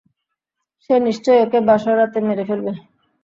সে নিশ্চয়ই ওকে বাসর রাতে মেরে ফেলবে।